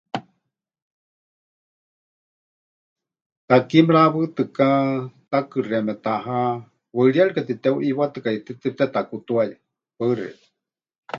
Takie mɨrawɨtɨka takɨxeéme, taha, waɨríyarika teteuʼiiwatɨkaitɨ tepɨtetakutuaya. Paɨ xeikɨ́a.